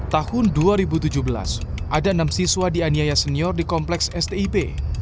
tahun dua ribu tujuh belas ada enam siswa dianiaya senior di kompleks stip